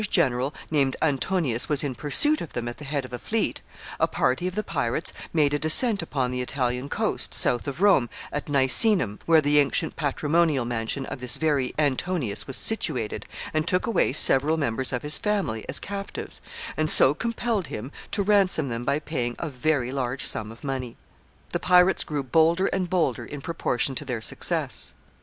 At one time, while a distinguished general, named Antonius, was in pursuit of them at the head of a fleet, a party of the pirates made a descent upon the Italian coast, south of Rome, at Nicenum, where the ancient patrimonial mansion of this very Antonius was situated, and took away several members of his family as captives, and so compelled him to ransom them by paying a very large sum of money. The pirates grew bolder and bolder in proportion to their success.